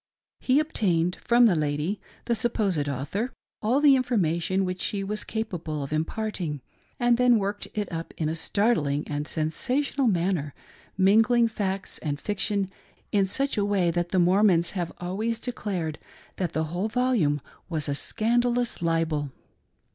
He obtained from the lady — the sup posed author — all the information which she was capable of imparting, and then worked it up in a startling and sensational manner, mingling facts and fiction in such a way that the Mormons have always declared that the whole volume was a scandalous libel.